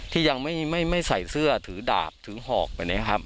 ที่ยังไม่ใส่เสื้อถือดาบถือหอกแบบนี้ครับ